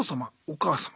お母様？